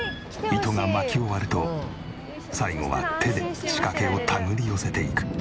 糸が巻き終わると最後は手で仕掛けを手繰り寄せていく。